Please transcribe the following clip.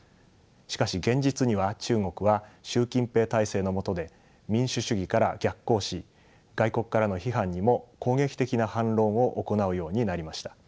しかし現実には中国は習近平体制の下で民主主義から逆行し外国からの批判にも攻撃的な反論を行うようになりました。